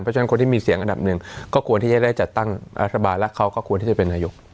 เพราะฉะนั้นคนที่มีเสียงอันดับหนึ่งก็ควรที่จะได้จัดตั้งรัฐบาลและเขาก็ควรที่จะเป็นนายก